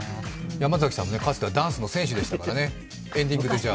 山崎さんもかつてはダンスの選手でしたからね、エンディングで、じゃ